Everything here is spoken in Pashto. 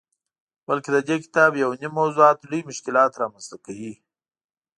بلکه ددې کتاب یونیم موضوعات لوی مشکلات رامنځته کوي.